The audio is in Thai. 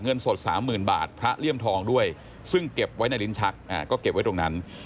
สด๓๐๐๐บาทพระเลี่ยมทองด้วยซึ่งเก็บไว้ในลิ้นชักก็เก็บไว้ตรงนั้น